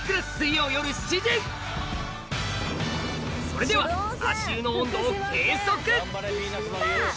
それでは足湯の温度を計測！